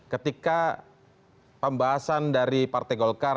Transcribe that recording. ketika pembahasan dari partai golkar